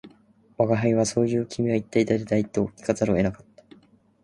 吾輩は「そう云う君は一体誰だい」と聞かざるを得なかった